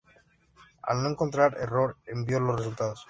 Al no encontrar error, envió los resultados.